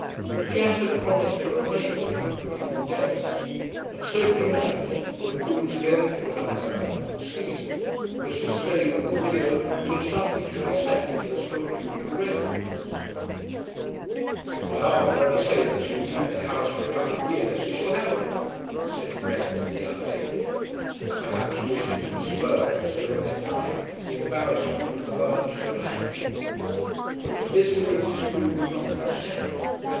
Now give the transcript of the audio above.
Jack had promised to remain with him for a few days, and Sophie Mellerby, who had altogether given up her London season, was to stay with the widow till something should be settled as to a future residence. "If my aunt will only say that she will keep the house for a couple of years, she shall have it," said Fred to the young lady, perhaps wishing to postpone for so long a time the embarrassment of the large domain; but to this Lady Scroope would not consent.